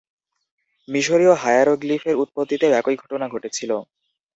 মিশরীয় হায়ারোগ্লিফের উৎপত্তিতেও একই ঘটনা ঘটেছিল।